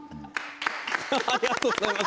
ありがとうございます。